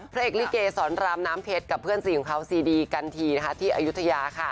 พระเอกลิเกสรรามน้ำเพชรกับเพื่อนสีของเขาซีดีกันทีที่อายุทยาค่ะ